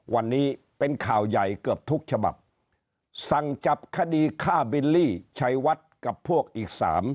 วันนี้เป็นข่าวใหญ่เกือบทุกฉบับสั่งจับคดีฆ่าบิลลี่ชัยวัดกับพวกอีกสาม